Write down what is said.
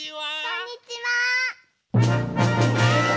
こんにちは！